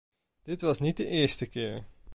Dit was niet de eerste keer.